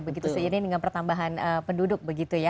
begitu seiring dengan pertambahan penduduk begitu ya